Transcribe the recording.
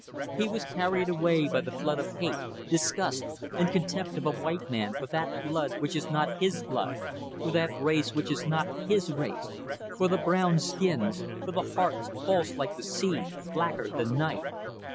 He was carried away by the flood of hate, disgust, and contempt of a white man for that blood which is not his blood, for that race which is not his race; for the brown skins; for the hearts false like the sea, blacker than night.